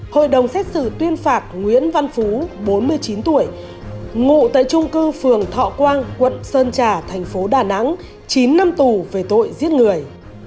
hội đồng xét xử tuyên phạt nguyễn văn phú bốn mươi chín tuổi ngụ tại trung cư phường thọ quang quận sơn trà thành phố đà nẵng chín năm tù về tội giết người